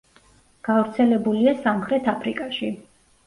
გავრცელებულია სამხრეთ აფრიკაში.